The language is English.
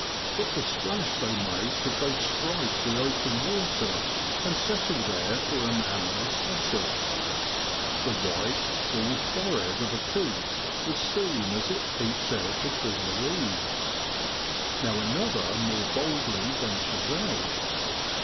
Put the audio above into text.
What a splash they make as they strike the open water and settle there for an amorous gossip. The white, bald forehead of a coot is seen as it peeps out from between the reeds; now another more boldly ventures out.